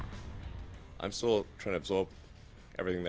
saya masih mencoba untuk mengabsorbekan segalanya